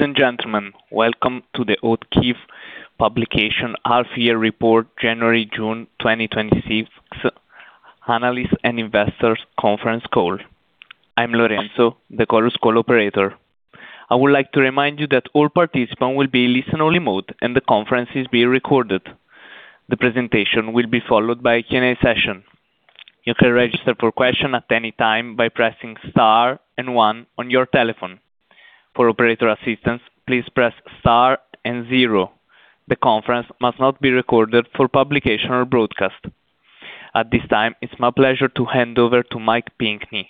Ladies and gentlemen, welcome to the HOCHTIEF Publication Half Year Report January, June 2026, Analyst and Investors Conference Call. I am Lorenzo, the Chorus Call operator. I would like to remind you that all participants will be in listen-only mode and the conference is being recorded. The presentation will be followed by a Q&A session. You can register for question at any time by pressing star and one on your telephone. For operator assistance, please press star and zero. The conference must not be recorded for publication or broadcast. At this time, it is my pleasure to hand over to Mike Pinkney.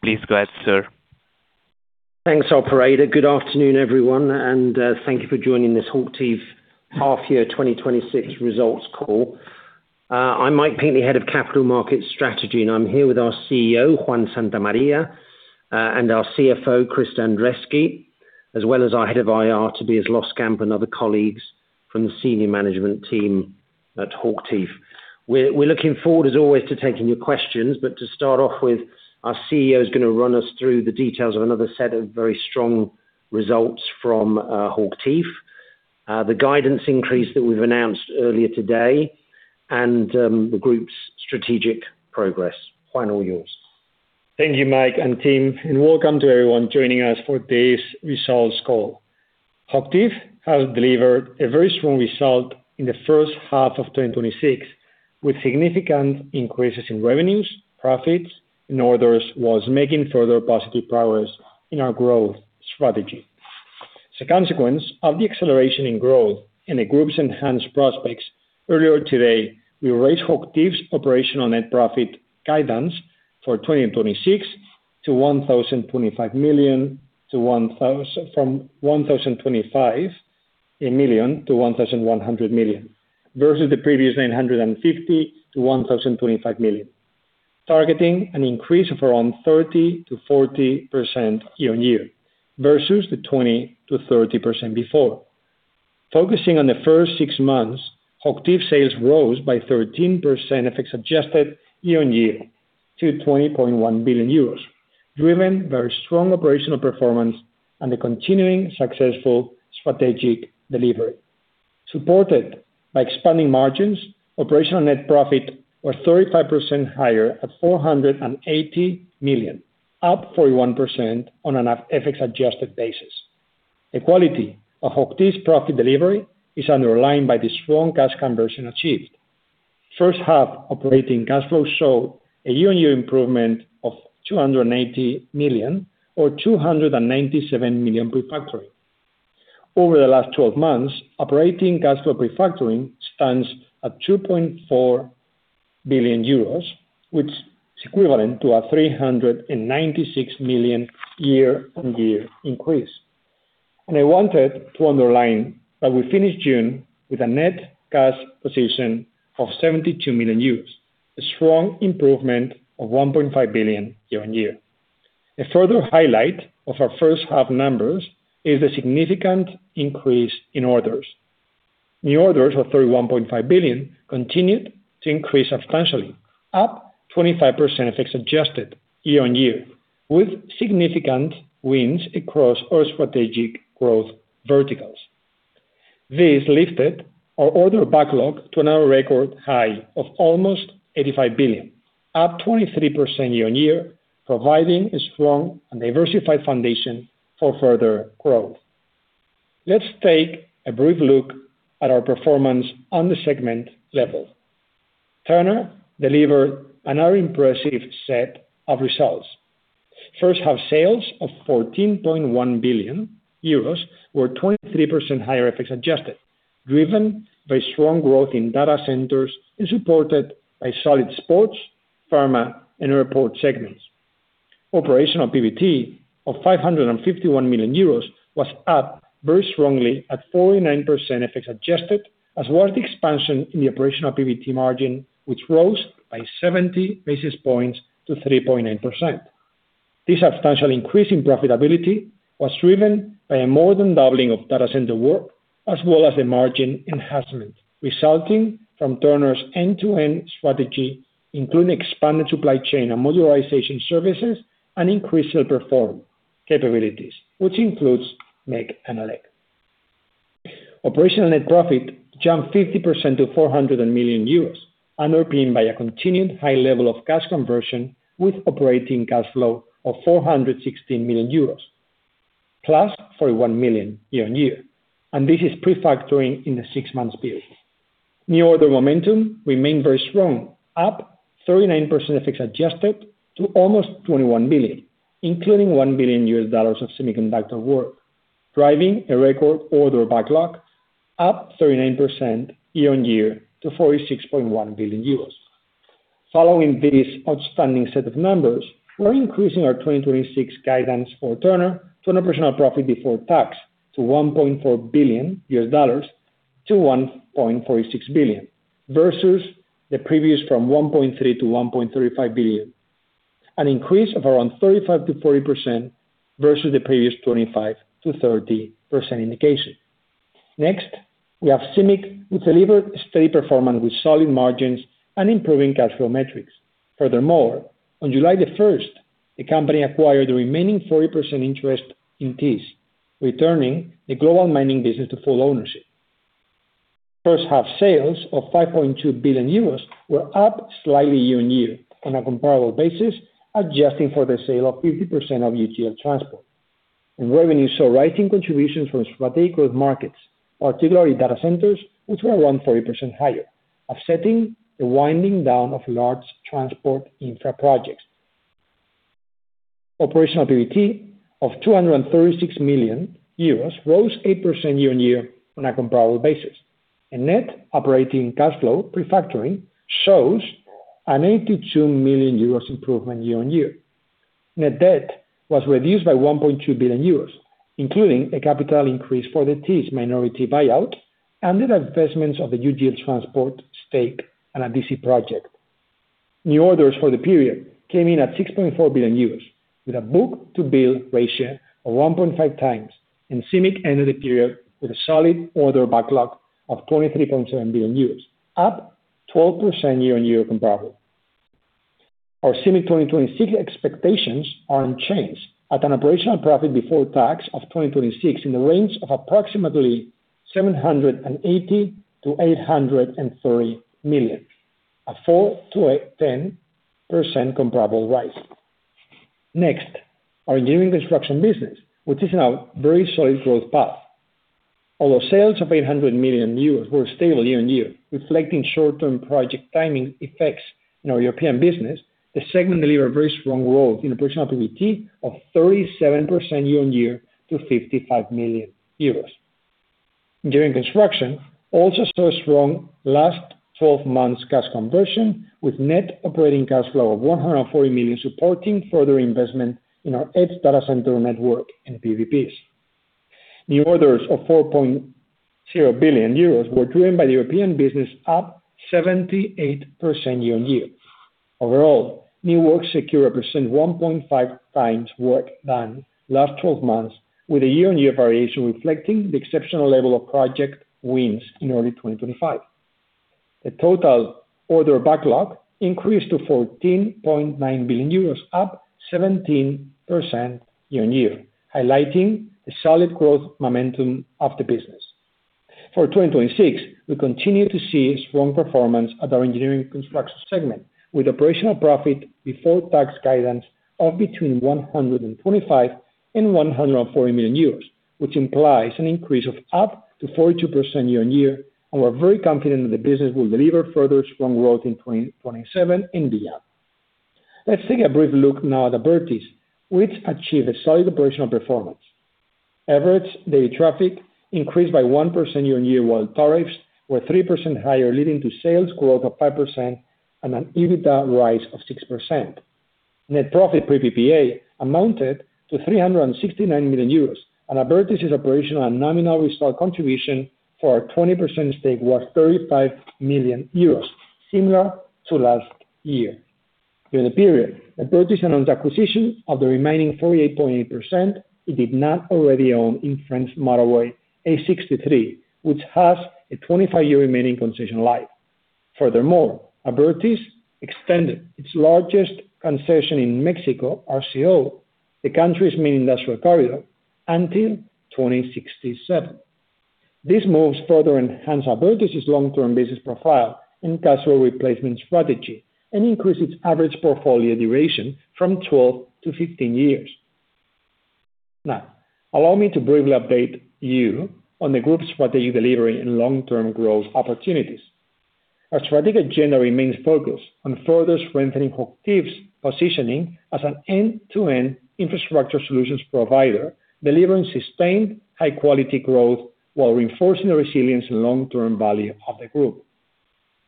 Please go ahead, sir. Thanks, operator. Good afternoon, everyone, and thank you for joining this HOCHTIEF half year 2026 results call. I am Mike Pinkney, Head of Capital Markets Strategy, and I am here with our CEO, Juan Santamaría, and our CFO, Christa Andresky, as well as our Head of IR, Tobias Loskamp, and other colleagues from the senior management team at HOCHTIEF. We are looking forward, as always, to taking your questions. To start off with, our CEO is going to run us through the details of another set of very strong results from HOCHTIEF, the guidance increase that we have announced earlier today and the group's strategic progress. Juan, all yours. Thank you, Mike and team, and welcome to everyone joining us for today's results call. HOCHTIEF has delivered a very strong result in the first half of 2026 with significant increases in revenues, profits, and orders, whilst making further positive progress in our growth strategy. A consequence of the acceleration in growth and the group's enhanced prospects, earlier today, we raised HOCHTIEF's operational net profit guidance for 2026 from 1,025 million-1,100 million, versus the previous 950 million-1,025 million, targeting an increase of around 30%-40% year-on-year, versus the 20%-30% before. Focusing on the first six months, HOCHTIEF sales rose by 13% FX-adjusted year-on-year to 20.1 billion euros, driven by strong operational performance and the continuing successful strategic delivery. Supported by expanding margins, operational net profit was 35% higher at 480 million, up 41% on an FX-adjusted basis. The quality of HOCHTIEF's profit delivery is underlined by the strong cash conversion achieved. First half operating cash flow showed a year-on-year improvement of 280 million or 297 million pre-factoring. Over the last 12 months, operating cash flow pre-factoring stands at 2.4 billion euros, which is equivalent to a 396 million year-on-year increase. I wanted to underline that we finished June with a net cash position of 72 million euros, a strong improvement of 1.5 billion year-on-year. A further highlight of our first half numbers is the significant increase in orders. New orders of 31.5 billion continued to increase substantially, up 25% FX-adjusted year-on-year, with significant wins across our strategic growth verticals. This lifted our order backlog to another record high of almost 85 billion, up 23% year-on-year, providing a strong and diversified foundation for further growth. Let's take a brief look at our performance on the segment level. Turner delivered another impressive set of results. First half sales of 14.1 billion euros were 23% higher FX-adjusted, driven by strong growth in data centers and supported by solid sports, pharma, and airport segments. Operational PBT of 551 million euros was up very strongly at 49% FX-adjusted, as was the expansion in the operational PBT margin, which rose by 70 basis points to 3.9%. This substantial increase in profitability was driven by more than doubling of data center work, as well as a margin enhancement resulting from Turner's end-to-end strategy, including expanded supply chain and modularization services and increased self-perform capabilities, which includes mechanical and electrical. Operational net profit jumped 50% to 400 million euros, underpinned by a continued high level of cash conversion with operating cash flow of 416 million euros, plus 41 million year-on-year, and this is pre-factoring in the six months period. New order momentum remained very strong, up 39% FX-adjusted to almost 21 billion, including $1 billion of semiconductor work, driving a record order backlog up 39% year-on-year to 46.1 billion euros. Following this outstanding set of numbers, we are increasing our 2026 guidance for Turner to an operational profit before tax to $1.4 billion-$1.46 billion versus the previous from $1.3 billion-$1.35 billion, an increase of around 35%-40% versus the previous 25%-30% indication. Next, we have CIMIC, which delivered steady performance with solid margins and improving cash flow metrics. Furthermore, on July 1st, the company acquired the remaining 40% interest in Thiess, returning the global mining business to full ownership. First half sales of 5.2 billion euros were up slightly year-on-year on a comparable basis, adjusting for the sale of 50% of UGL Transport. Revenue saw rising contributions from strategic growth markets, particularly data centers, which were around 40% higher, offsetting the winding down of large transport infra projects. Operational PBT of 236 million euros rose 8% year-on-year on a comparable basis. A net operating cash flow pre-factoring shows an 82 million euros improvement year-on-year. Net debt was reduced by 1.2 billion euros, including a capital increase for the Thiess minority buyout and the divestments of the UGL Transport stake and a DC project. New orders for the period came in at 6.4 billion euros, with a book-to-bill ratio of 1.5x. CIMIC ended the period with a solid order backlog of 23.7 billion euros, up 12% year-on-year comparable. Our CIMIC 2026 expectations are unchanged, at an operational profit before tax of 2026 in the range of approximately 780 million-830 million, a 4%-10% comparable rise. Next, our Engineering & Construction business, which is in a very solid growth path. Although sales of 800 million euros were stable year-on-year, reflecting short-term project timing effects in our European business, the segment delivered very strong growth in operational PBT of 37% year-on-year to 55 million euros. Engineering & Construction also saw a strong last 12 months cash conversion, with net operating cash flow of 140 million supporting further investment in our Edge data center network and PPPs. New orders of 4.0 billion euros were driven by the European business, up 78% year-on-year. Overall, new work secure represent 1.5x work done last 12 months, with a year-on-year variation reflecting the exceptional level of project wins in early 2025. The total order backlog increased to 14.9 billion euros, up 17% year-on-year, highlighting the solid growth momentum of the business. For 2026, we continue to see strong performance at our engineering construction segment, with operational profit before tax guidance of between 125 million and 140 million euros, which implies an increase of up to 42% year-over-year. We are very confident that the business will deliver further strong growth in 2027 and beyond. Let's take a brief look now at Abertis, which achieved a solid operational performance. Average daily traffic increased by 1% year-over-year, while tariffs were 3% higher, leading to sales growth of 5% and an EBITDA rise of 6%. Net profit pre-PPA amounted to 369 million euros, and Abertis' operational and nominal restore contribution for our 20% stake was 35 million euros, similar to last year. During the period, Abertis announced the acquisition of the remaining 48.8% it did not already own in French motorway A63, which has a 25-year remaining concession life. Abertis extended its largest concession in Mexico, RCO, the country's main industrial corridor, until 2067. These moves further enhance Abertis' long-term business profile and cash flow replacement strategy and increase its average portfolio duration from 12-15 years. Allow me to briefly update you on the group's strategic delivery and long-term growth opportunities. Our strategic agenda remains focused on further strengthening HOCHTIEF's positioning as an end-to-end infrastructure solutions provider, delivering sustained high-quality growth while reinforcing the resilience and long-term value of the group.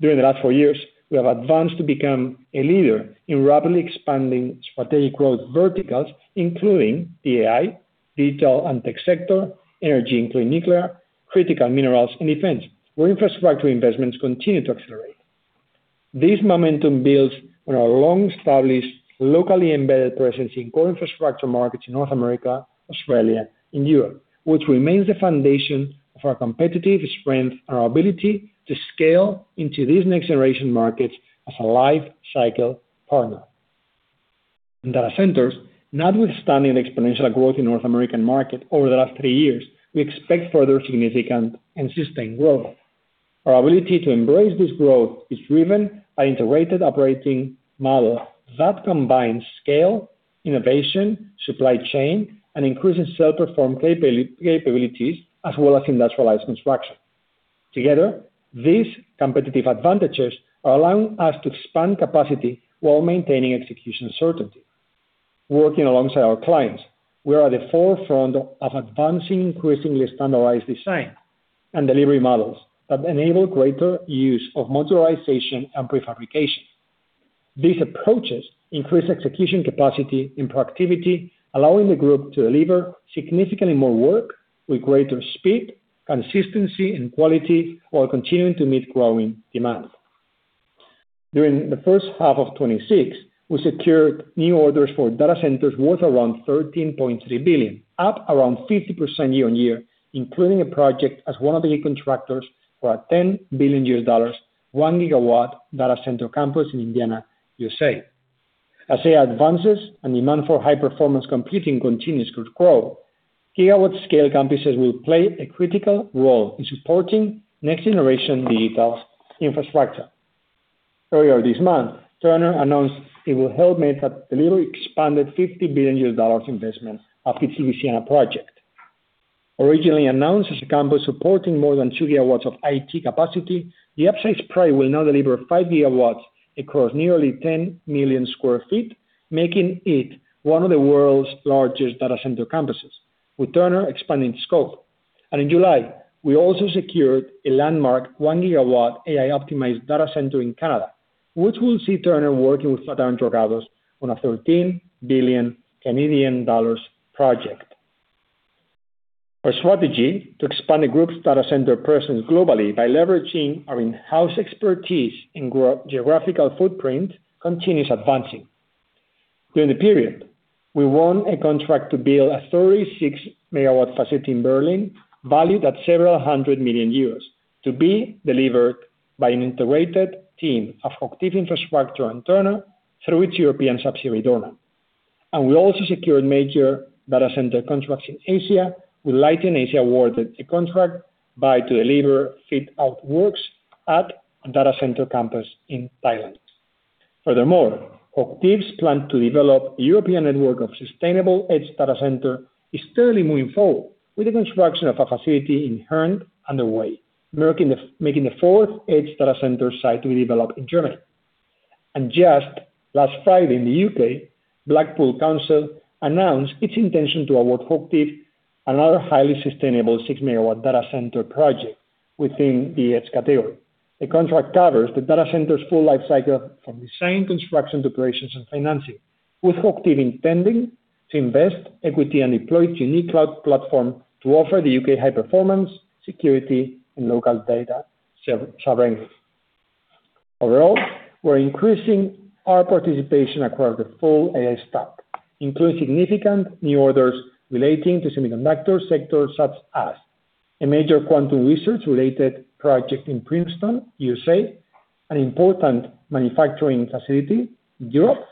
During the last four years, we have advanced to become a leader in rapidly expanding strategic growth verticals, including AI, digital and tech sector, energy including nuclear, critical minerals, and defense, where infrastructure investments continue to accelerate. This momentum builds on our long-established, locally embedded presence in core infrastructure markets in North America, Australia, and Europe, which remains the foundation for our competitive strength and our ability to scale into these next-generation markets as a life cycle partner. In data centers, notwithstanding the exponential growth in North American market over the last three years, we expect further significant and sustained growth. Our ability to embrace this growth is driven by integrated operating model that combines scale, innovation, supply chain, and increases self-performed capabilities, as well as industrialized construction. Together, these competitive advantages are allowing us to expand capacity while maintaining execution certainty. Working alongside our clients, we are at the forefront of advancing increasingly standardized design and delivery models that enable greater use of modularization and prefabrication. These approaches increase execution capacity and productivity, allowing the group to deliver significantly more work with greater speed, consistency, and quality, while continuing to meet growing demand. During the first half of 2026, we secured new orders for data centers worth around 13.3 billion, up around 50% year-over-year, including a project as one of the contractors for a $10 billion, 1 GW data center campus in Indiana, U.S.A. As AI advances and demand for high-performance computing continues to grow, gigawatt scale campuses will play a critical role in supporting next-generation digital infrastructure. Earlier this month, Turner announced it will help Meta deliver expanded $50 billion investment at its Louisiana project. Originally announced as a campus supporting more than 2 GW of IT capacity, the upside spread will now deliver 5 GW across nearly 10 million sq ft, making it one of the world's largest data center campuses, with Turner expanding scope. In July, we also secured a landmark 1 GW AI-optimized data center in Canada, which will see Turner working with Plutarco Ramos on a CAD 13 billion project. Our strategy to expand the group's data center presence globally by leveraging our in-house expertise and geographical footprint continues advancing. During the period, we won a contract to build a 36 MW facility in Berlin, valued at several hundred million euros, to be delivered by an integrated team of HOCHTIEF Infrastructure and Turner through its European subsidiary, Dornan. We also secured major data center contracts in Asia with Leighton Asia awarded a contract to deliver fit-out works at a data center campus in Thailand. Furthermore, HOCHTIEF's plan to develop a European network of sustainable edge data center is steadily moving forward with the construction of a facility in Herne underway, making the fourth edge data center site to be developed in Germany. Just last Friday in the U.K., Blackpool Council announced its intention to award HOCHTIEF another highly sustainable 6 MW data center project within the Edge category. The contract covers the data center's full life cycle from design, construction, to operations and financing, with HOCHTIEF intending to invest equity and deploy its UniCloud platform to offer the U.K. high performance, security, and local data sovereignty. Overall, we're increasing our participation across the full AI stack, including significant new orders relating to semiconductor sectors such as a major quantum research-related project in Princeton, USA, an important manufacturing facility in Europe,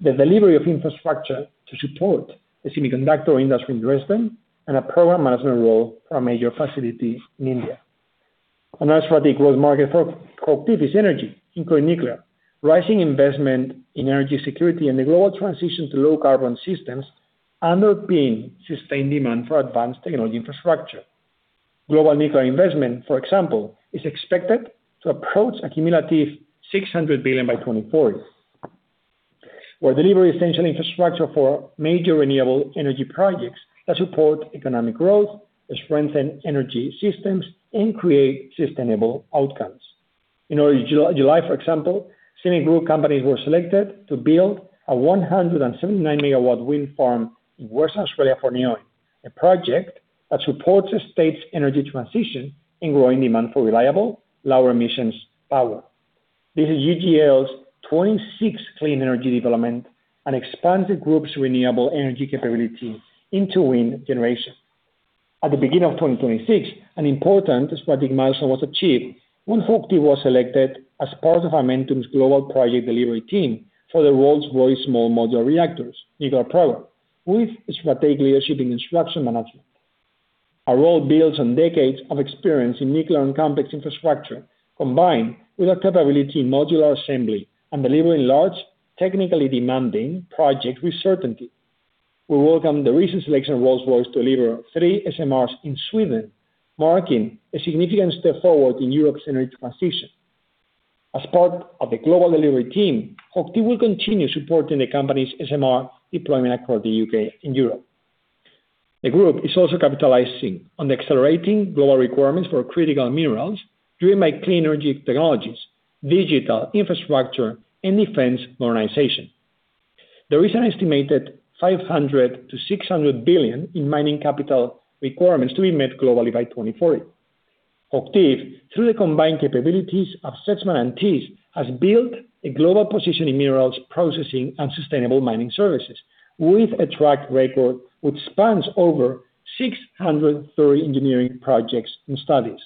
the delivery of infrastructure to support the semiconductor industry in Dresden, and a program management role for a major facility in India. Another strategic growth market for HOCHTIEF is energy, including nuclear. Rising investment in energy security and the global transition to low carbon systems underpin sustained demand for advanced technology infrastructure. Global nuclear investment, for example, is expected to approach a cumulative 600 billion by 2040. We're delivering essential infrastructure for major renewable energy projects that support economic growth, strengthen energy systems, and create sustainable outcomes. In early July, for example, senior group companies were selected to build a 179 MW wind farm in Western Australia for Neoen, a project that supports the state's energy transition in growing demand for reliable, lower emissions power. This is UGL's 26th clean energy development and expands the group's renewable energy capability into wind generation. At the beginning of 2026, an important strategic milestone was achieved when HOCHTIEF was selected as part of Amentum's global project delivery team for the Rolls-Royce small modular reactors nuclear program, with strategic leadership in construction management. Our role builds on decades of experience in nuclear and complex infrastructure, combined with our capability in modular assembly and delivering large, technically demanding projects with certainty. We welcome the recent selection of Rolls-Royce to deliver three SMRs in Sweden, marking a significant step forward in Europe's energy transition. As part of the global delivery team, HOCHTIEF will continue supporting the company's SMR deployment across the U.K. and Europe. The group is also capitalizing on the accelerating global requirements for critical minerals driven by clean energy technologies, digital infrastructure, and defense modernization. There is an estimated 500 billion to 600 billion in mining capital requirements to be met globally by 2040. HOCHTIEF, through the combined capabilities of Sedgman and Thiess, has built a global position in minerals processing and sustainable mining services, with a track record which spans over 630 engineering projects and studies.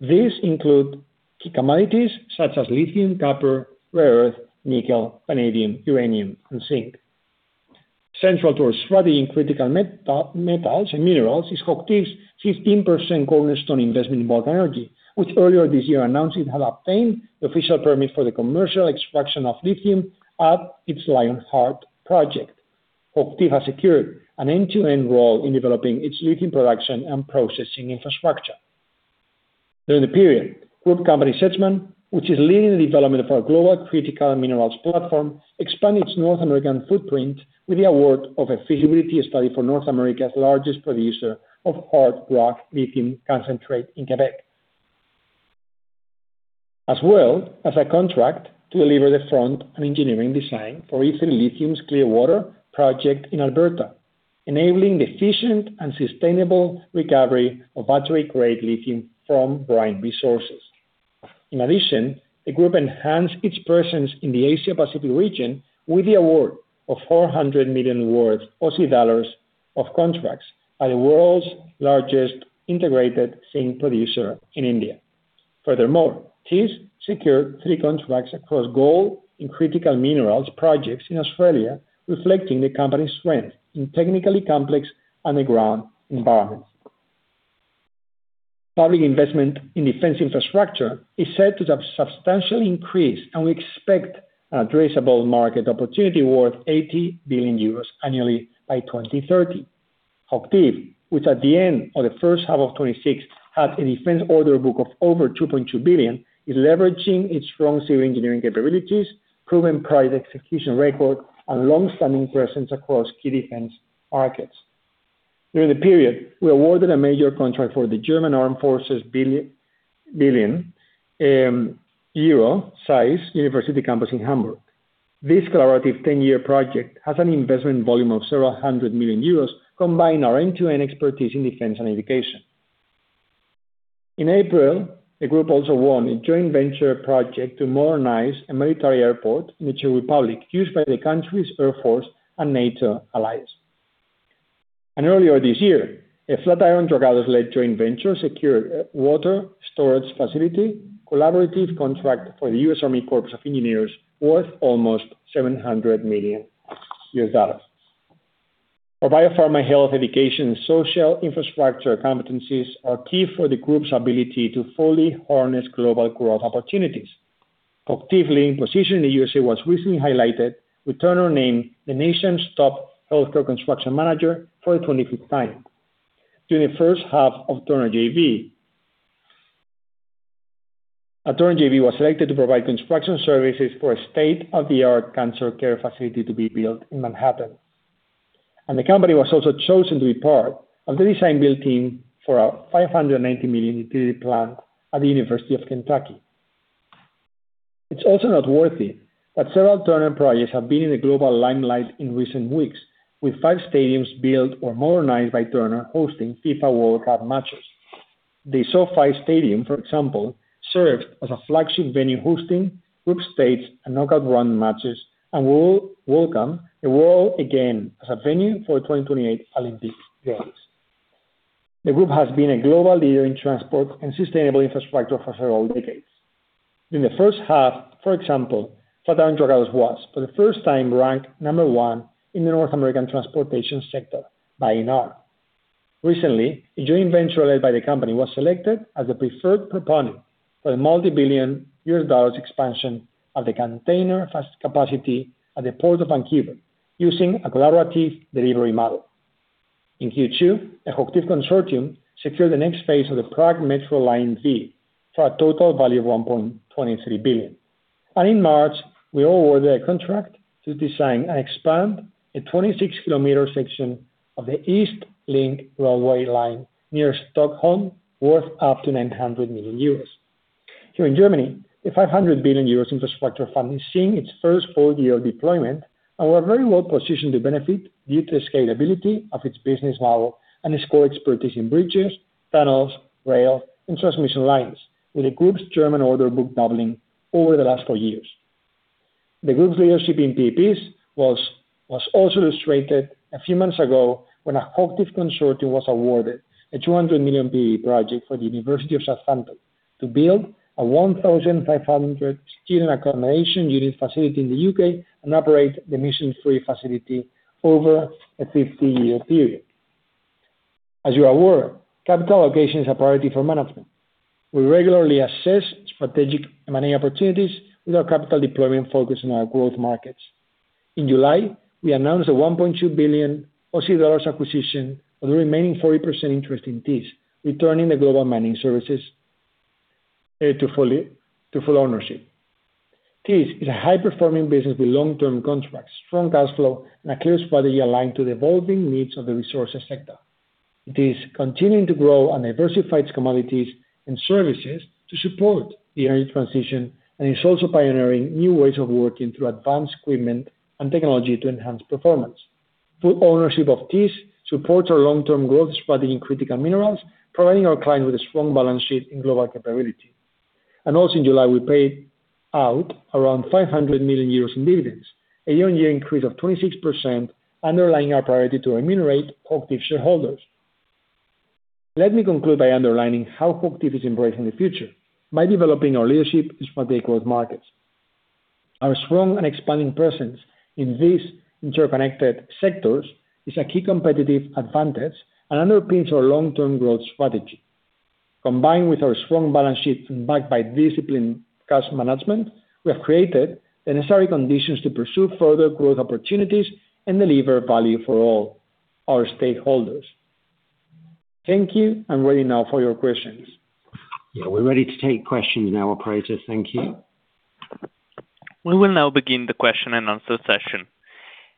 These include key commodities such as lithium, copper, rare earth, nickel, vanadium, uranium, and zinc. Central to our strategy in critical metals and minerals is HOCHTIEF's 15% cornerstone investment in Vulcan Energy, which earlier this year announced it had obtained the official permit for the commercial extraction of lithium at its Lionheart project. HOCHTIEF has secured an end-to-end role in developing its lithium production and processing infrastructure. During the period, group company Sedgman, which is leading the development of our global critical minerals platform, expanded its North American footprint with the award of a feasibility study for North America's largest producer of hard rock lithium concentrate in Quebec. As well as a contract to deliver the front-end engineering design for E3 Lithium's Clearwater project in Alberta, enabling the efficient and sustainable recovery of battery-grade lithium from brine resources. In addition, the group enhanced its presence in the Asia Pacific region with the award of 400 million worth of contracts at the world's largest integrated zinc producer in India. Furthermore, Thiess secured three contracts across gold and critical minerals projects in Australia, reflecting the company's strength in technically complex underground environments. Public investment in defense infrastructure is set to substantially increase, we expect an addressable market opportunity worth 80 billion euros annually by 2030. HOCHTIEF, which at the end of the first half of 2026 had a defense order book of over 2.2 billion, is leveraging its strong engineering capabilities, proven project execution record, and long-standing presence across key defense markets. During the period, we awarded a major contract for the German Armed Forces billion-euro-size university campus in Hamburg. This collaborative 10-year project has an investment volume of several hundred million euros, combining our end-to-end expertise in defense and education. In April, the group also won a joint venture project to modernize a military airport in the Czech Republic used by the country's Air Force and NATO allies. Earlier this year, a Flatiron Dragados led joint venture secured a water storage facility collaborative contract for the U.S. Army Corps of Engineers worth almost $700 million. For biopharma, health, education, social infrastructure competencies are key for the group's ability to fully harness global growth opportunities. HOCHTIEF's leading position in the U.S.A. was recently highlighted with Turner named the nation's top healthcare construction manager for the 25th time. During the first half, Turner JV was selected to provide construction services for a state-of-the-art cancer care facility to be built in Manhattan. The company was also chosen to be part of the design-build team for a 590 million utility plant at the University of Kentucky. It's also noteworthy that several Turner projects have been in the global limelight in recent weeks, with five stadiums built or modernized by Turner hosting FIFA World Cup matches. The SoFi Stadium, for example, served as a flagship venue hosting group states and knockout round matches and will welcome the world again as a venue for the 2028 Olympic Games. The group has been a global leader in transport and sustainable infrastructure for several decades. In the first half, for example, Flatiron Dragados was, for the first time, ranked number one in the North American transportation sector by ENR. Recently, a joint venture led by the company was selected as the preferred proponent for the multi-billion U.S. dollars expansion of the container capacity at the Port of Vancouver using a collaborative delivery model. In Q2, a HOCHTIEF consortium secured the next phase of the Prague Metro Line V for a total value of 1.23 billion. In March, we awarded a contract to design and expand a 26 km section of the East Link railway line near Stockholm, worth up to 900 million euros. Here in Germany, the 500 billion euros infrastructure fund is seeing its first full year deployment. We're very well positioned to benefit due to the scalability of its business model and its core expertise in bridges, tunnels, rail, and transmission lines, with the group's German order book doubling over the last four years. The group's leadership in PPPs was also illustrated a few months ago when a HOCHTIEF consortium was awarded a 200 million PPP project for the University of Southampton to build a 1,500-student accommodation unit facility in the U.K. and operate the mission-free facility over a 50-year period. As you are aware, capital allocation is a priority for management. We regularly assess strategic M&A opportunities with our capital deployment focused on our growth markets. In July, we announced an 1.2 billion dollars acquisition of the remaining 40% interest in Thiess, returning the global mining services to full ownership. Thiess is a high-performing business with long-term contracts, strong cash flow, and a clear strategy aligned to the evolving needs of the resources sector. It is continuing to grow and diversify its commodities and services to support the energy transition. It's also pioneering new ways of working through advanced equipment and technology to enhance performance. Full ownership of Thiess supports our long-term growth strategy in critical minerals, providing our clients with a strong balance sheet and global capability. Also in July, we paid out around 500 million euros in dividends, a year-on-year increase of 26%, underlying our priority to remunerate HOCHTIEF shareholders. Let me conclude by underlining how HOCHTIEF is embracing the future by developing our leadership in strategic growth markets. Our strong and expanding presence in these interconnected sectors is a key competitive advantage and underpins our long-term growth strategy. Combined with our strong balance sheet and backed by disciplined cash management, we have created the necessary conditions to pursue further growth opportunities and deliver value for all our stakeholders. Thank you. I'm ready now for your questions. We're ready to take questions now, Operator. Thank you. We will now begin the question and answer session.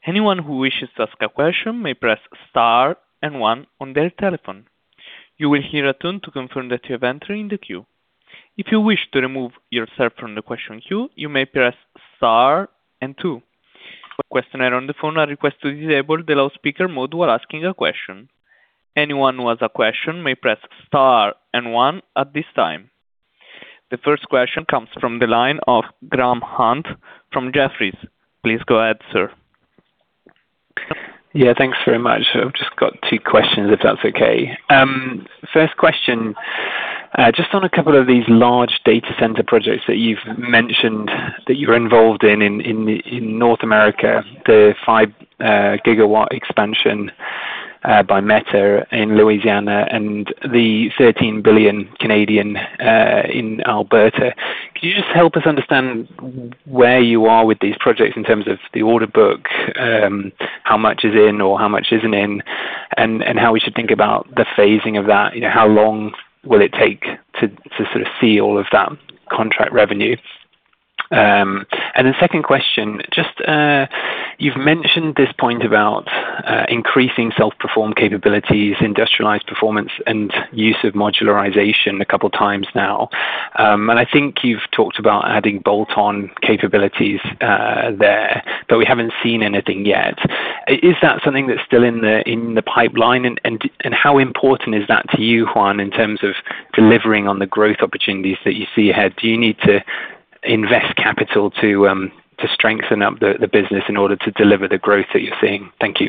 Anyone who wishes to ask a question may press star one on their telephone. You will hear a tune to confirm that you have entered in the queue. If you wish to remove yourself from the question queue, you may press star two. Questioner on the phone are requested to disable the loudspeaker mode while asking a question. Anyone who has a question may press star one at this time. The first question comes from the line of Graham Hunt from Jefferies. Please go ahead, sir. Thanks very much. I've just got two questions, if that's okay. First question, just on a couple of these large data center projects that you've mentioned that you're involved in North America, the 5 GW expansion by Meta in Louisiana and the 13 billion in Alberta. Can you just help us understand where you are with these projects in terms of the order book? How much is in or how much isn't in, and how we should think about the phasing of that? How long will it take to see all of that contract revenue? The second question, you've mentioned this point about increasing self-perform capabilities, industrialized performance, and use of modularization a couple of times now. I think you've talked about adding bolt-on capabilities there, but we haven't seen anything yet. Is that something that's still in the pipeline? How important is that to you, Juan, in terms of delivering on the growth opportunities that you see ahead? Do you need to invest capital to strengthen up the business in order to deliver the growth that you're seeing? Thank you.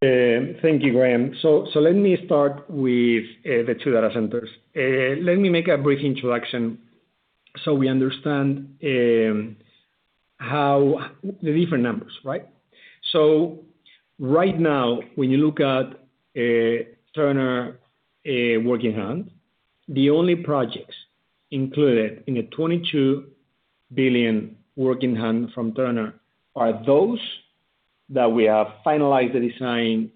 Thank you, Graham. Let me start with the two data centers. Let me make a brief introduction so we understand the different numbers, right? Right now, when you look at Turner working hand, the only projects included in the 22 billion working hand from Turner are those that we have finalized the design,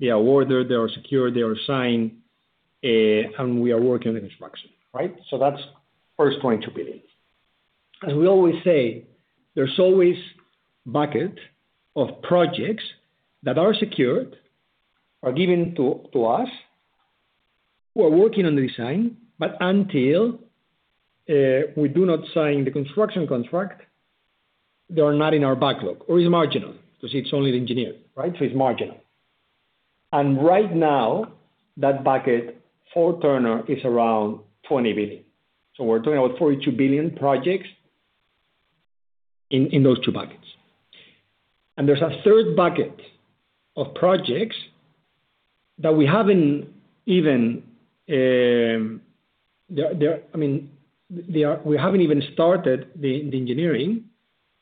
they are ordered, they are secured, they are signed, and we are working on the construction, right? That's first 22 billion. As we always say, there's always bucket of projects that are secured, are given to us. We're working on the design, but until we do not sign the construction contract, they are not in our backlog or is marginal, because it's only the engineer, right? It's marginal. Right now, that bucket for Turner is around 20 billion. We're talking about 42 billion projects in those two buckets. There's a third bucket of projects that we haven't even started the engineering,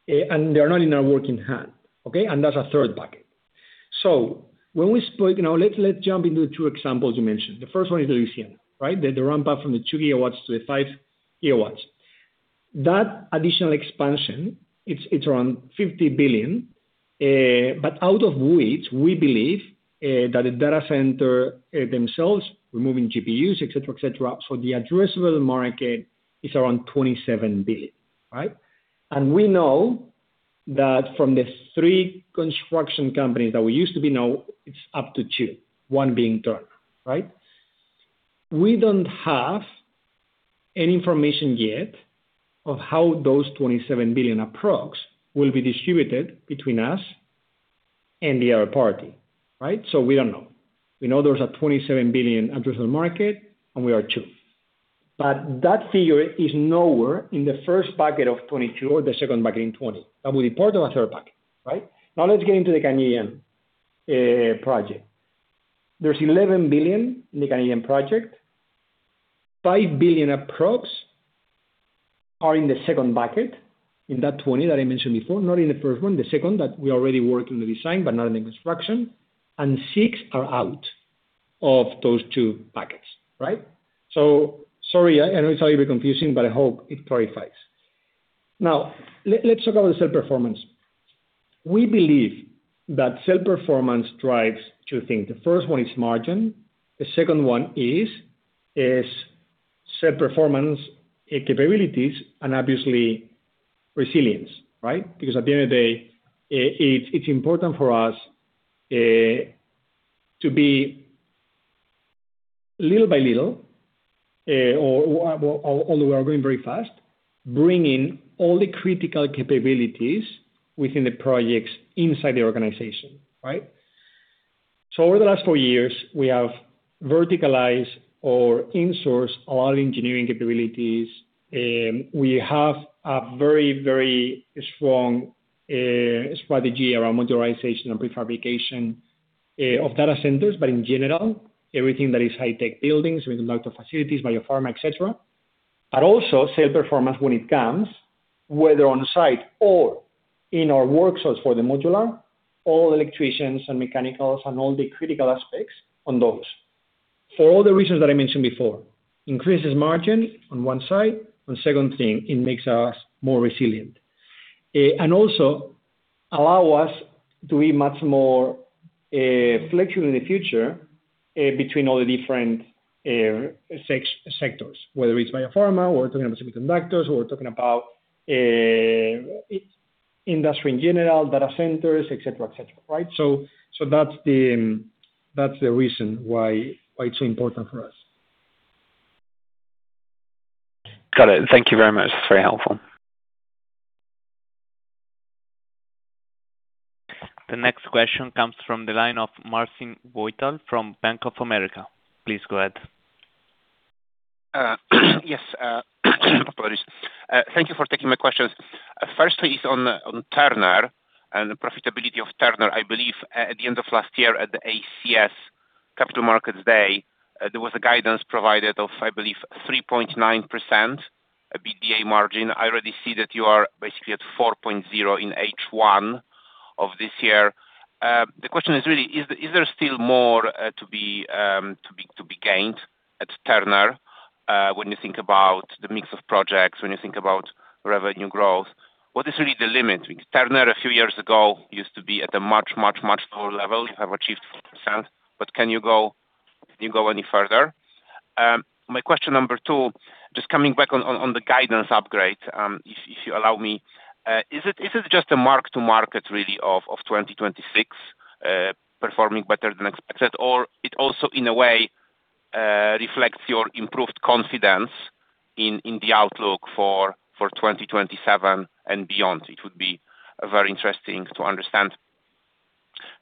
and they are not in our working hand, okay? That's a third bucket. Let's jump into the two examples you mentioned. The first one is Louisiana, right? The ramp-up from the 2 GW to the 5 GW. That additional expansion, it's around 50 billion, but out of which we believe that the data center themselves, removing GPUs, et cetera. The addressable market is around 27 billion, right? We know that from the three construction companies that we used to be know, it's up to two, one being Turner, right? We don't have any information yet of how those 27 billion approx will be distributed between us and the other party, right? We don't know. We know there's a 27 billion addressable market, and we are two. That figure is nowhere in the first bucket of 22 billion or the second bucket in 20 billion. That would be part of a third bucket, right? Now let's get into the Canadian project. There's 11 billion in the Canadian project. 5 billion approx are in the second bucket in that 20 billion that I mentioned before, not in the first one, the second that we already worked in the design but not in the construction, and 6 billion are out of those two buckets, right? Sorry, I know it's a little bit confusing, but I hope it clarifies. Now, let's talk about the self-performance. We believe that self-performance drives two things. The first one is margin, the second one is self-performance capabilities and obviously resilience, right? At the end of the day, it's important for us to be little by little, although we are going very fast, bringing all the critical capabilities within the projects inside the organization, right? Over the last four years, we have verticalized or insourced all engineering capabilities. We have a very strong strategy around modularization and prefabrication of data centers, but in general, everything that is high-tech buildings, whether microfacilities, biopharma, et cetera. Also self-performance when it comes, whether on-site or in our workshops for the modular, all electricians and mechanicals and all the critical aspects on those. For all the reasons that I mentioned before, increases margin on one side, and second thing, it makes us more resilient. Also allow us to be much more flexible in the future, between all the different sectors, whether it's biopharma, we're talking about semiconductors, or industry in general, data centers, et cetera. That's the reason why it's so important for us. Got it. Thank you very much. That's very helpful. The next question comes from the line of Marcin Wojtal from Bank of America. Please go ahead. Yes. Apologies. Thank you for taking my questions. Firstly is on Turner and the profitability of Turner. I believe at the end of last year at the ACS Capital Markets Day, there was a guidance provided of, I believe, 3.9% EBITDA margin. I already see that you are basically at 4.0% in H1 of this year. The question is really, is there still more to be gained at Turner? When you think about the mix of projects, when you think about revenue growth, what is really the limit? Turner, a few years ago, used to be at a much lower level. You have achieved 4%, but can you go any further? My question number two, just coming back on the guidance upgrade, if you allow me. Is it just a mark to market really of 2026, performing better than expected? It also, in a way, reflects your improved confidence in the outlook for 2027 and beyond? It would be very interesting to understand.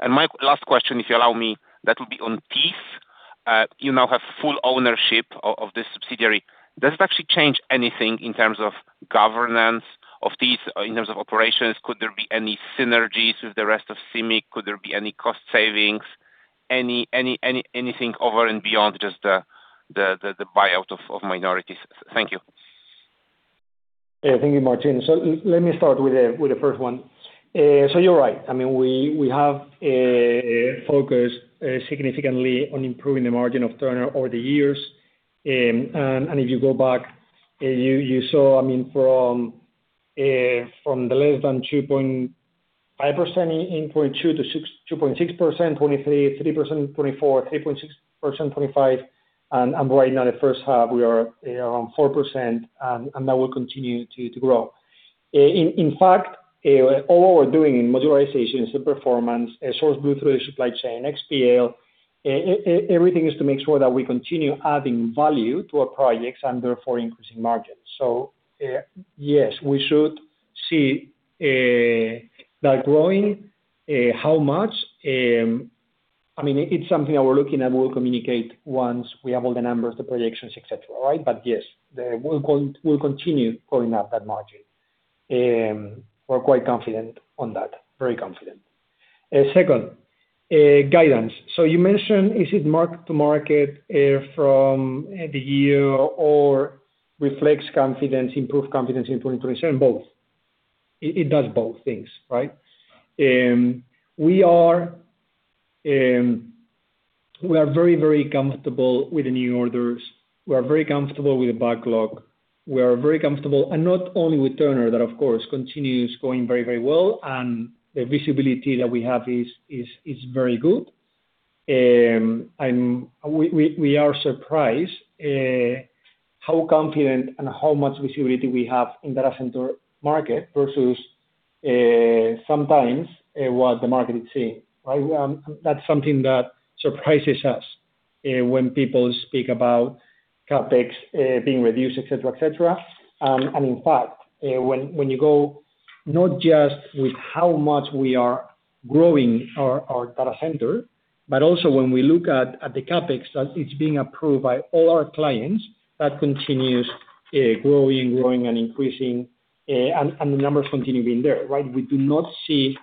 My last question, if you allow me, that will be on Thiess. You now have full ownership of this subsidiary. Does it actually change anything in terms of governance of Thiess, in terms of operations? Could there be any synergies with the rest of CIMIC? Could there be any cost savings? Anything over and beyond just the buyout of minorities? Thank you. Thank you, Marcin. Let me start with the first one. You're right. We have focused significantly on improving the margin of Turner over the years. If you go back, you saw from the less than 2.5% in 2022 to 2.6%, 2023, 3%, 2024, 3.6%, 2025. Right now, the first half, we are around 4%, and that will continue to grow. In fact, all what we're doing in modularization, in self-performance, source through the supply chain, xPL, everything is to make sure that we continue adding value to our projects and therefore increasing margins. Yes, we should see that growing. How much? It's something that we're looking at, we'll communicate once we have all the numbers, the projections, et cetera. Yes, we'll continue growing up that margin. We're quite confident on that. Very confident. Second, guidance. You mentioned, is it mark to market from the year or reflects confidence, improved confidence in 2027? Both. It does both things. We are very comfortable with the new orders. We are very comfortable with the backlog. We are very comfortable, and not only with Turner, that of course, continues going very well, and the visibility that we have is very good. We are surprised how confident and how much visibility we have in data center market versus sometimes what the market is seeing. That's something that surprises us, when people speak about CapEx being reduced, et cetera. In fact, when you go not just with how much we are growing our data center, but also when we look at the CapEx that it's being approved by all our clients, that continues growing and increasing. The numbers continue being there. We do not see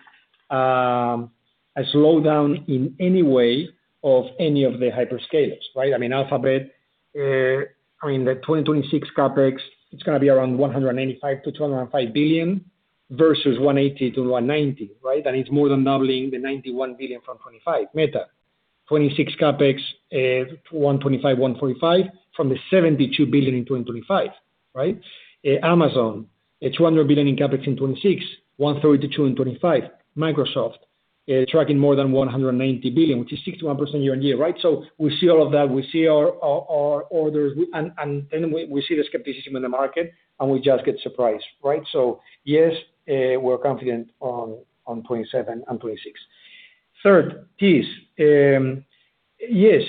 a slowdown in any way of any of the hyperscalers. Alphabet, the 2026 CapEx, it's going to be around 185 billion-205 billion versus 180 billion-190 billion. That is more than doubling the 91 billion from 2025. Meta, 2026 CapEx, 125 billion-145 billion from the 72 billion in 2025. Amazon, 200 billion in CapEx in 2026, 130 billion-200 billion in 2025. Microsoft, tracking more than 190 billion, which is 61% year-on-year. We see all of that, we see our orders, we see the skepticism in the market, we just get surprised. Yes, we're confident on 2027 and 2026. Third, Thiess. Yes,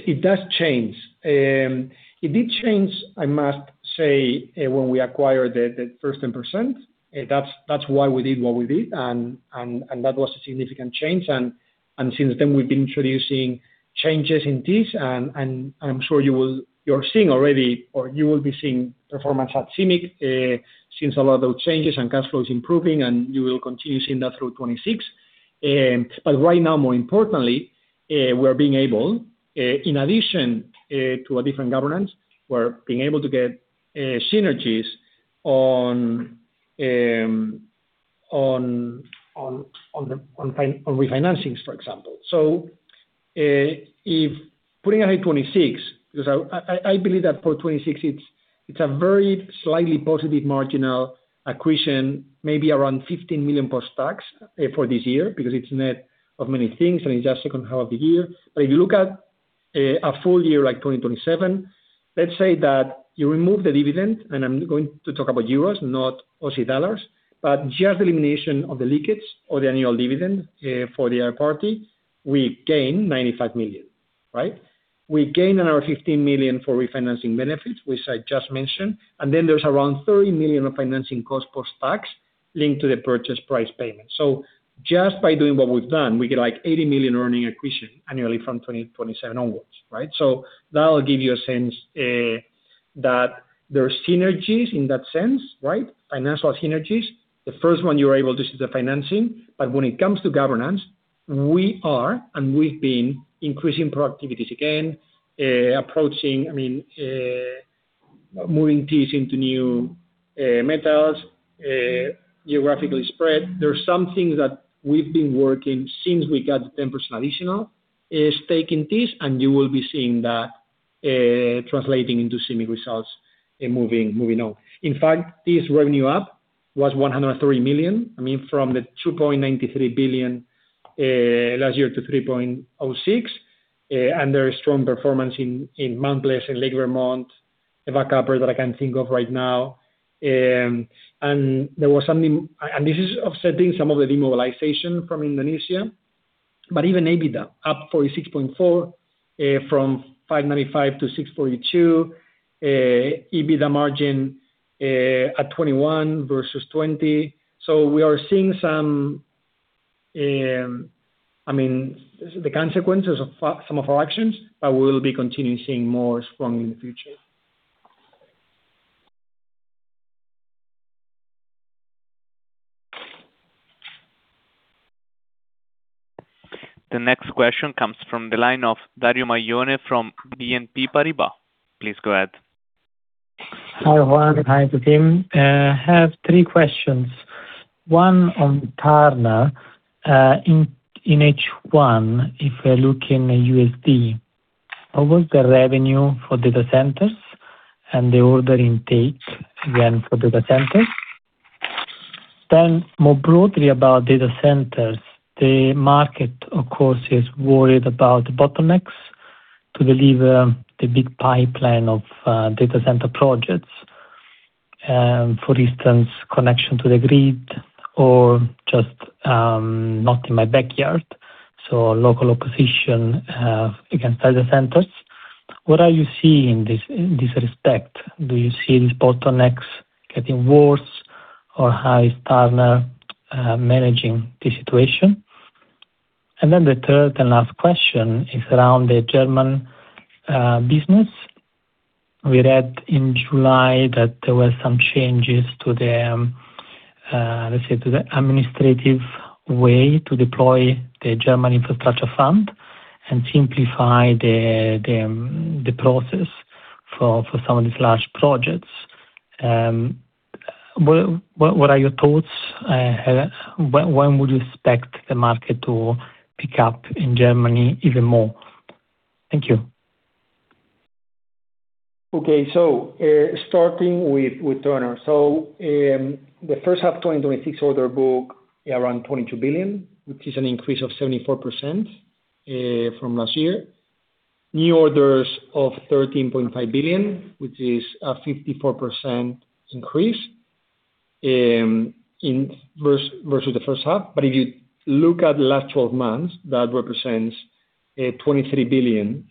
it does change. It did change, I must say, when we acquired the first 10%. That's why we did what we did, and that was a significant change. Since then, we've been introducing changes in Thiess, and I'm sure you're seeing already, or you will be seeing performance at CIMIC since a lot of those changes and cash flows improving, and you will continue seeing that through 2026. Right now, more importantly, we are being able, in addition to a different governance, we're being able to get synergies on refinancings, for example. Putting aside 2026, because I believe that for 2026, it's a very slightly positive marginal accretion, maybe around 15 million post-tax for this year because it's net of many things and it's just second half of the year. If you look at a full year like 2027, let's say that you remove the dividend, and I'm going to talk about euros, not Aussie dollars, but just the elimination of the leakages or the annual dividend for the party, we gain 95 million. We gain another 15 million for refinancing benefits, which I just mentioned. There's around 30 million of financing cost post-tax linked to the purchase price payment. Just by doing what we've done, we get like 80 million earning accretion annually from 2027 onwards. That'll give you a sense that there are synergies in that sense. Financial synergies. The first one you're able to see is the financing. When it comes to governance, we are, and we've been increasing productivities again, moving Thiess into new metals, geographically spread. There's some things that we've been working since we got 10% additional is taking Thiess, and you will be seeing that translating into CIMIC results moving on. In fact, Thiess revenue up was 103 million. From the 2.93 billion last year to 3.06 billion. There is strong performance in Mount Pleasant, Lake Vermont, Eva Copper that I can think of right now. This is offsetting some of the demobilization from Indonesia. Even EBITDA up 46.4%, from 595 million to 642 million. EBITDA margin at 21% versus 20%. We are seeing the consequences of some of our actions, but we will be continuing seeing more strong in the future. The next question comes from the line of Dario Maglione from BNP Paribas. Please go ahead. Hi, Juan. Hi to the team. I have three questions. One on Turner. In H1, if we're looking at USD, what was the revenue for data centers and the order intake again for data centers? More broadly about data centers, the market, of course, is worried about bottlenecks to deliver the big pipeline of data center projects. For instance, connection to the grid or just not in my backyard, so local opposition against data centers. What are you seeing in this respect? Do you see these bottlenecks getting worse, or how is Turner managing the situation? The third and last question is around the German business. We read in July that there were some changes to the administrative way to deploy the German infrastructure fund and simplify the process for some of these large projects. What are your thoughts? When would you expect the market to pick up in Germany even more? Thank you. Starting with Turner. The first half 2026 order book, around 22 billion, which is an increase of 74% from last year. New orders of 13.5 billion, which is a 54% increase versus the first half. If you look at the last 12 months, that represents 23 billion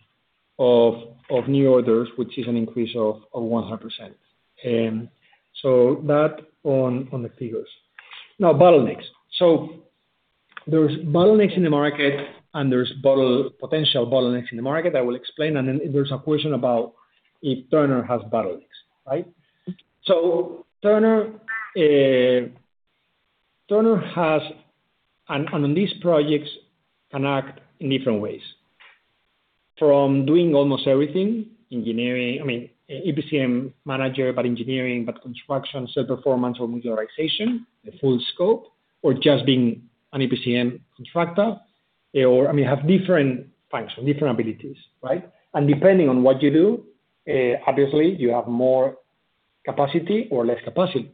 of new orders, which is an increase of 100%. That on the figures. Bottlenecks. There's bottlenecks in the market, and there's potential bottlenecks in the market. I will explain, and then there's a question about if Turner has bottlenecks. Turner has, and these projects can act in different ways. From doing almost everything, engineering, EPCM manager, but engineering, but construction, civil performance or modularization, the full scope, or just being an EPCM contractor. They have different functions, different abilities. Depending on what you do, obviously you have more capacity or less capacity.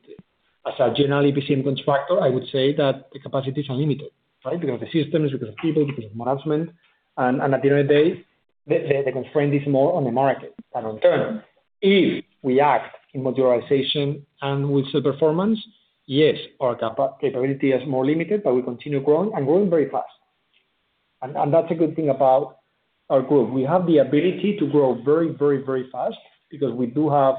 As a general EPCM constructor, I would say that the capacity is unlimited. Because of systems, because of people, because of management. At the end of the day, the constraint is more on the market. In turn, if we act in modularization and with civil performance, yes, our capability is more limited, but we continue growing very fast. That's a good thing about our group. We have the ability to grow very fast because we do have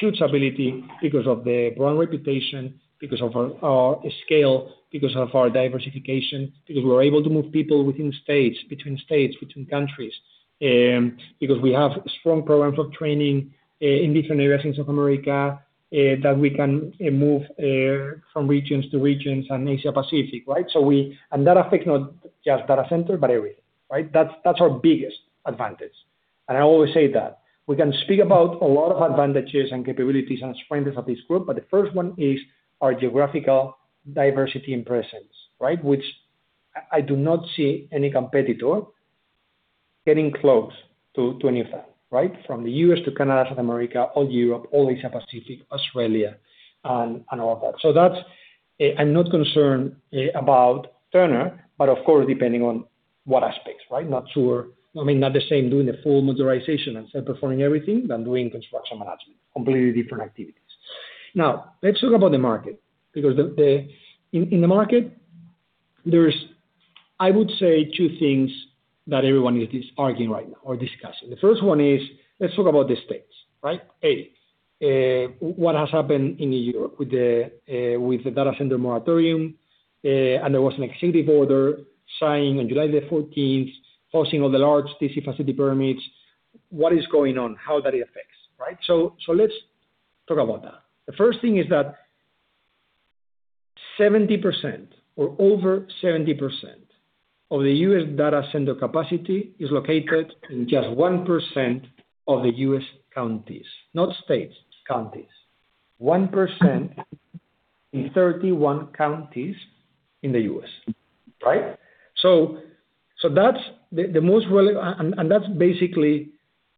huge ability because of the brand reputation, because of our scale, because of our diversification, because we're able to move people within states, between states, between countries, because we have strong programs of training in different areas in South America, that we can move from regions to regions and Asia Pacific. That affects not just data center, but everything. That's our biggest advantage. I always say that. We can speak about a lot of advantages and capabilities and strengths of this group, but the first one is our geographical diversity and presence. Which I do not see any competitor getting close to any of that. From the U.S. to Canada, South America, all Europe, all Asia Pacific, Australia, and all that. That's I'm not concerned about Turner, but of course, depending on what aspects, right? Not the same doing the full motorization and self-performing everything than doing construction management. Completely different activities. Let's talk about the market, because in the market, there is, I would say, two things that everyone is arguing right now or discussing. The first one is, let's talk about the states, right? What has happened in Europe with the data center moratorium, and there was an executive order signed on July the 14th, pausing all the large DC facility permits. What is going on? How that affects, right? Let's talk about that. The first thing is that 70% or over 70% of the U.S. data center capacity is located in just 1% of the U.S. counties. Not states, counties. 1% in 31 counties in the U.S., right? That's basically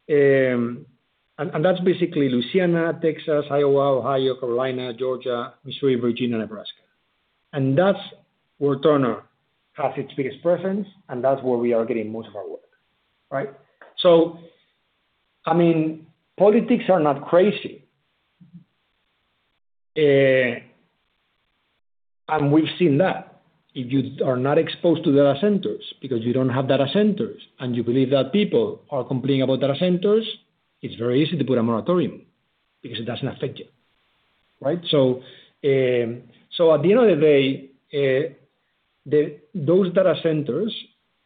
Louisiana, Texas, Iowa, Ohio, Carolina, Georgia, Missouri, Virginia, Nebraska. That's where Turner has its biggest presence, and that's where we are getting most of our work, right? Politics are not crazy. We've seen that. If you are not exposed to data centers because you don't have data centers, and you believe that people are complaining about data centers, it's very easy to put a moratorium because it doesn't affect you, right? At the end of the day, those data centers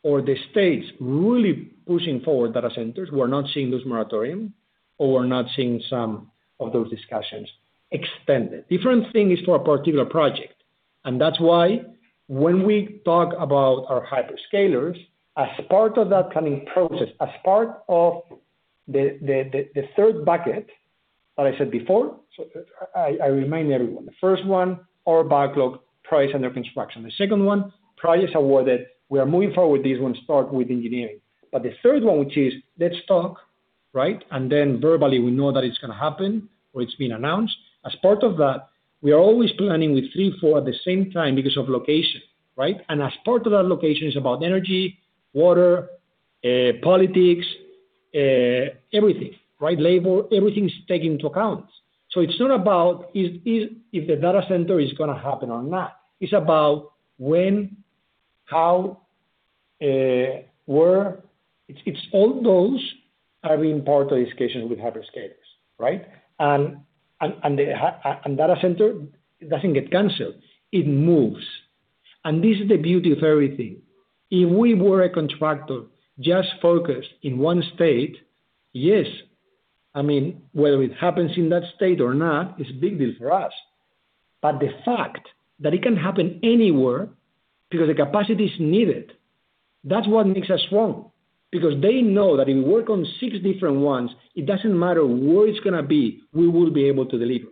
or the states really pushing forward data centers who are not seeing those moratorium or not seeing some of those discussions extended. Different thing is for a particular project. That's why when we talk about our hyperscalers, as part of that planning process, as part of the third bucket that I said before. I remind everyone, the first one, our backlog price under construction. The second one, price awarded. We are moving forward with these ones, start with engineering. The third one, which is let's talk, right? Verbally, we know that it's going to happen or it's been announced. As part of that, we are always planning with three, four at the same time because of location, right? As part of that location is about energy, water, politics, everything, right? Labor, everything is taken into account. It's not about if the data center is going to happen or not. It's about when, how, where. All those are being part of the discussions with hyperscalers, right? Data center doesn't get canceled. It moves. This is the beauty of everything. If we were a contractor just focused in one state, yes. Whether it happens in that state or not, it's a big deal for us. The fact that it can happen anywhere because the capacity is needed, that's what makes us strong. They know that if we work on six different ones, it doesn't matter where it's going to be, we will be able to deliver.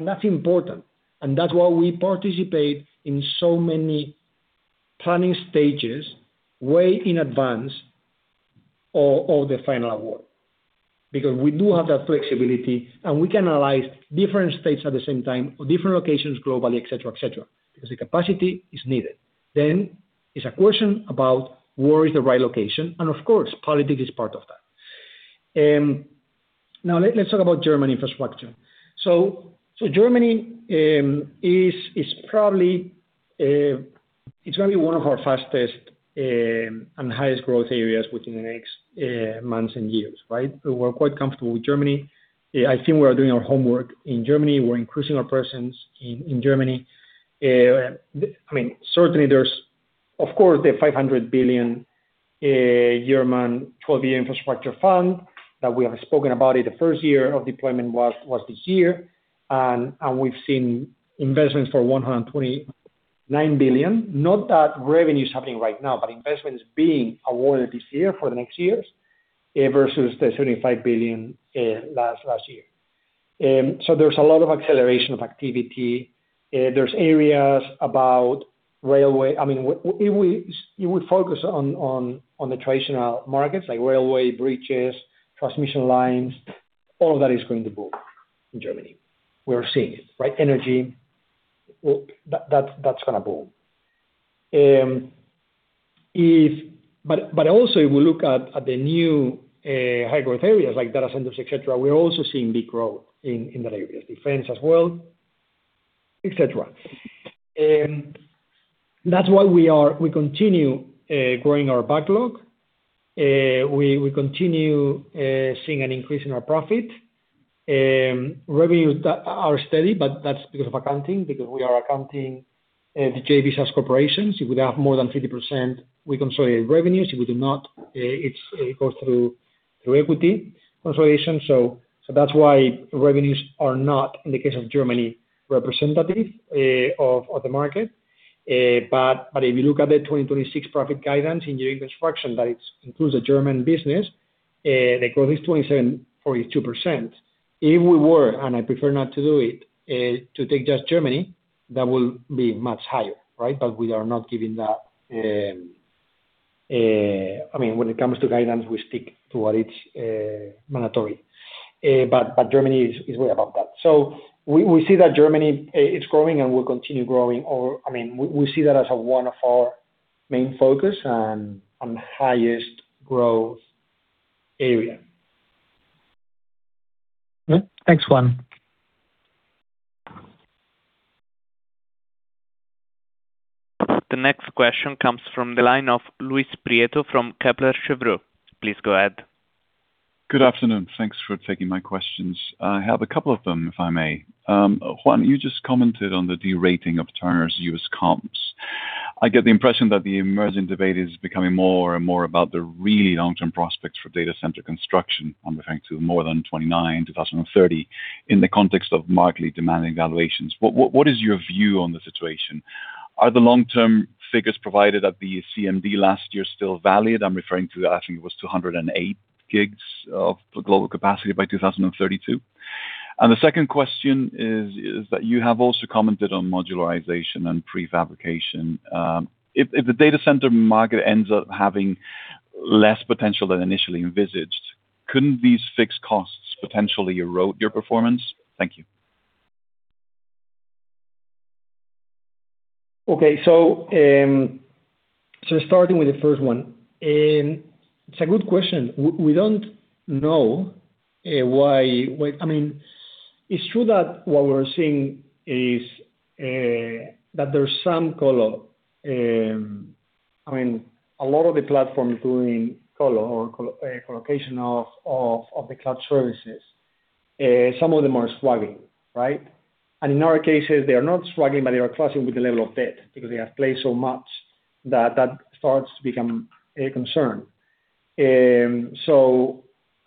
That's important. That's why we participate in so many planning stages way in advance of the final award. We do have that flexibility, and we can analyze different states at the same time or different locations globally, et cetera, et cetera, because the capacity is needed. It's a question about where is the right location, and of course, politics is part of that. Now, let's talk about German infrastructure. Germany is probably going to be one of our fastest and highest growth areas within the next months and years, right? We're quite comfortable with Germany. I think we are doing our homework in Germany. We're increasing our presence in Germany. Certainly there's, of course, the 500 billion German 12-year infrastructure fund that we have spoken about. The first year of deployment was this year, and we've seen investments for 129 billion. Not that revenue is happening right now, but investment is being awarded this year for the next years versus the 75 billion last year. There's a lot of acceleration of activity. There's areas about railway. If we would focus on the traditional markets like railway, bridges, transmission lines, all of that is going to boom in Germany. We are seeing it, right? Energy. That's going to boom. Also, if we look at the new high-growth areas like data centers, et cetera, we are also seeing big growth in that area. Defense as well, et cetera. That's why we continue growing our backlog. We continue seeing an increase in our profit. Revenues are steady, that's because of accounting, because we are accounting the JVs as corporations. If we have more than 50%, we consolidate revenues. If we do not, it goes through equity consolidation. That's why revenues are not, in the case of Germany, representative of the market. If you look at the 2026 profit guidance in new infrastructure, that includes the German business, the growth is 27.2%. If we were, and I prefer not to do it, to take just Germany, that will be much higher, right? We are not giving that. When it comes to guidance, we stick to what is mandatory. Germany is way above that. We see that Germany is growing and will continue growing. We see that as one of our main focus and highest growth area. Okay. Thanks, Juan. The next question comes from the line of Luis Prieto from Kepler Cheuvreux. Please go ahead. Good afternoon. Thanks for taking my questions. I have a couple of them, if I may. Juan, you just commented on the de-rating of Turner's U.S. comps. I get the impression that the emerging debate is becoming more and more about the really long-term prospects for data center construction. I'm referring to more than 2029, 2030, in the context of markedly demanding valuations. What is your view on the situation? Are the long-term figures provided at the CMD last year still valid? I'm referring to, I think it was 208 GW of global capacity by 2032. The second question is that you have also commented on modularization and prefabrication. If the data center market ends up having less potential than initially envisaged, couldn't these fixed costs potentially erode your performance? Thank you. Okay. Starting with the first one. It's a good question. It's true that what we're seeing is that there's some co-lo. A lot of the platforms doing co-lo or colocation of the cloud services, some of them are sagging. Right? In our cases, they are not sagging, but they are clashing with the level of debt because they have played so much that that starts to become a concern.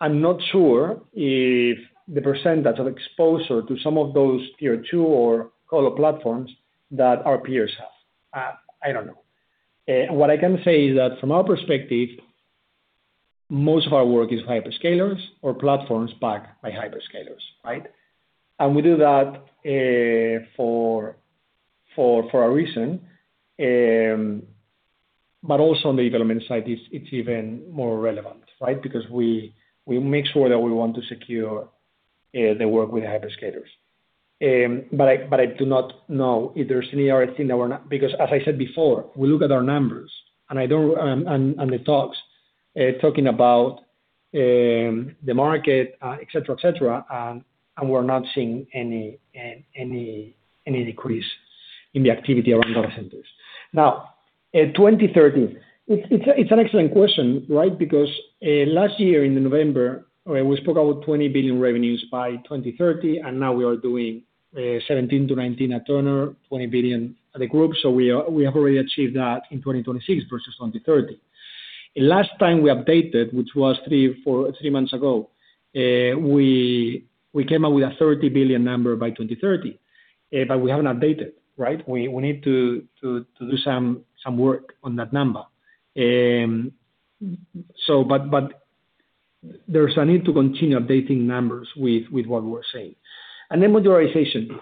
I'm not sure if the percentage of exposure to some of those Tier 2 or co-lo platforms that our peers have. I don't know. What I can say is that from our perspective, most of our work is hyperscalers or platforms backed by hyperscalers. Right? Because we make sure that we want to secure the work with hyperscalers. I do not know if there's any thing or not, because as I said before, we look at our numbers and the talks, talking about the market, et cetera. We're not seeing any decrease in the activity around data centers. Now, 2030. It's an excellent question, because last year in November, we spoke about 20 billion revenues by 2030, and now we are doing 17 billion-19 billion at Turner, 20 billion at the group. We have already achieved that in 2026 versus 2030. Last time we updated, which was three months ago, we came up with a 30 billion number by 2030. We haven't updated. Right? We need to do some work on that number. There's a need to continue updating numbers with what we are saying. Then modularization.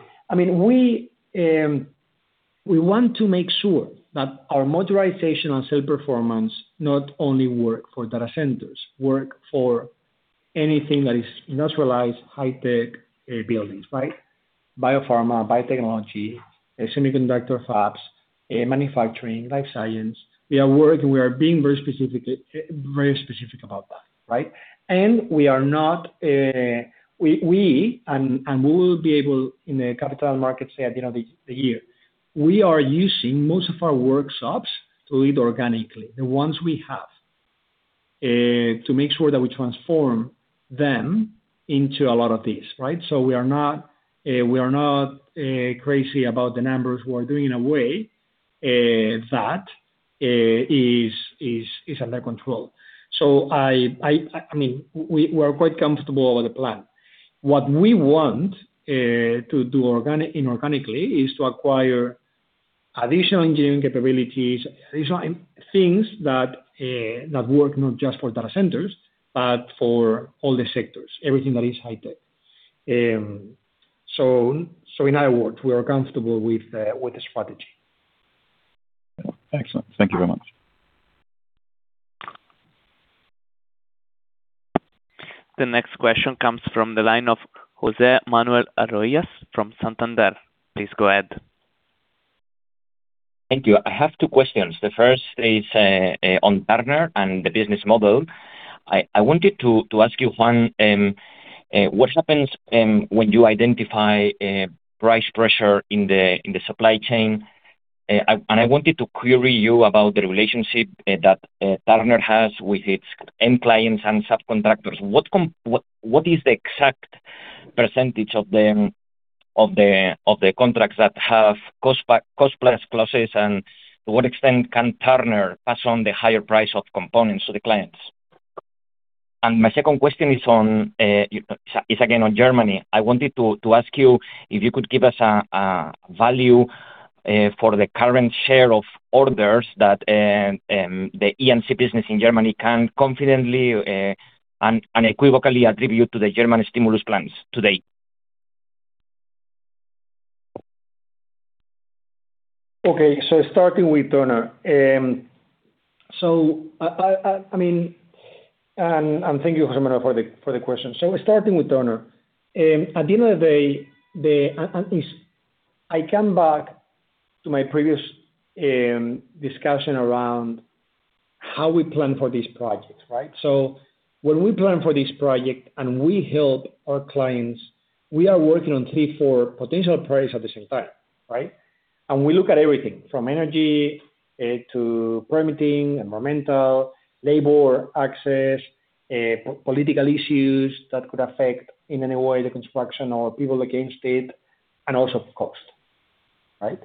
We want to make sure that our modularization and self-perform not only work for data centers, work for anything that is industrialized, high-tech buildings. Right? Biopharma, biotechnology, semiconductor fabs, manufacturing, life science. We are working, we are being very specific about that. Right? We will be able, in the capital markets at the end of the year, we are using most of our workshops to lead organically, the ones we have, to make sure that we transform them into a lot of these. Right? We are not crazy about the numbers we are doing in a way that is under control. We are quite comfortable with the plan. What we want to do inorganically is to acquire additional engineering capabilities, additional things that work not just for data centers, but for all the sectors, everything that is high-tech. In other words, we are comfortable with the strategy. Excellent. Thank you very much. The next question comes from the line of José Manuel Arroyas from Santander. Please go ahead. Thank you. I have two questions. The first is on Turner and the business model. I wanted to ask you, Juan, what happens when you identify price pressure in the supply chain? I wanted to query you about the relationship that Turner has with its end clients and subcontractors. What is the exact percentage of the contracts that have cost-plus clauses, and to what extent can Turner pass on the higher price of components to the clients? My second question is again on Germany. I wanted to ask you if you could give us a value for the current share of orders that the E&C business in Germany can confidently, unequivocally attribute to the German stimulus plans to date Starting with Turner. Thank you, José Manuel, for the question. Starting with Turner. At the end of the day, I come back to my previous discussion around how we plan for these projects, right? When we plan for this project and we help our clients, we are working on three, four potential projects at the same time, right? We look at everything from energy to permitting, environmental, labor, access, political issues that could affect in any way the construction or people against it, and also cost. Right?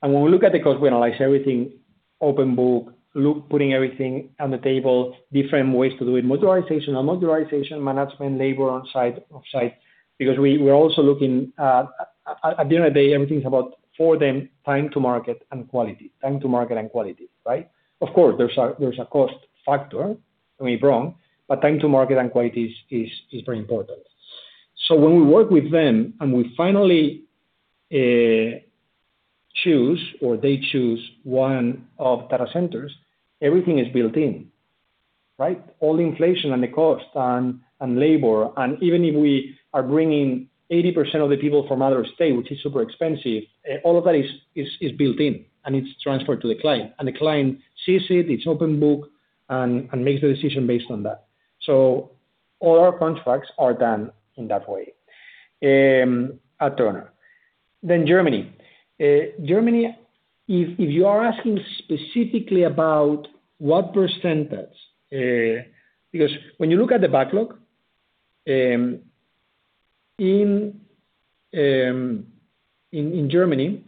When we look at the cost, we analyze everything open book, putting everything on the table, different ways to do it, modularization or modularization management, labor on site, off site. Because at the end of the day, everything is about, for them, time to market and quality. Time to market and quality, right? Of course, there's a cost factor, don't get me wrong, but time to market and quality is very important. When we work with them and we finally choose or they choose one of the data centers, everything is built in, right? All the inflation and the cost and labor, and even if we are bringing 80% of the people from out of state, which is super expensive, all of that is built in and it's transferred to the client. The client sees it's open book, and makes the decision based on that. All our contracts are done in that way at Turner. Germany. Germany, if you are asking specifically about what percentage, because when you look at the backlog, in Germany,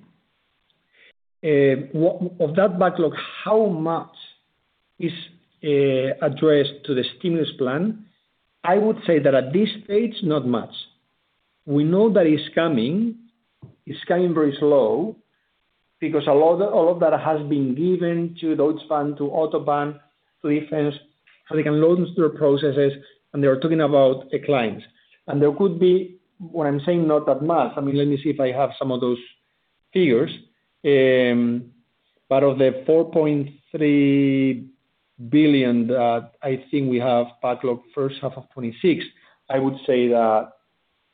of that backlog, how much is addressed to the stimulus plan? I would say that at this stage, not much. We know that it's coming. It's coming very slow because all of that has been given to Deutsche Bahn, to Autobahn, to defense, so they can load into their processes, and they are talking about declines. There could be, when I'm saying not that much, let me see if I have some of those figures. Of the 4.3 billion that I think we have backlog first half of 2026, I would say that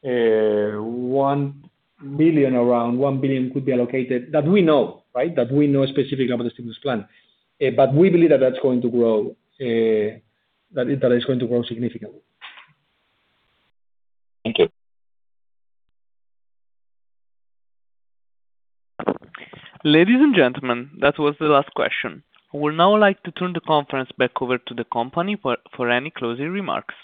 1 billion, around 1 billion could be allocated that we know, right? That we know specific about the stimulus plan. We believe that is going to grow significantly. Thank you. Ladies and gentlemen, that was the last question. I would now like to turn the conference back over to the company for any closing remarks.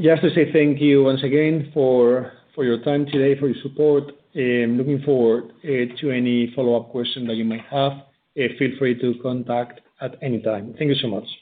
Just to say thank you once again for your time today, for your support. Looking forward to any follow-up questions that you might have. Feel free to contact at any time. Thank you so much.